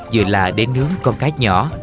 vừa là để nướng con cái nhỏ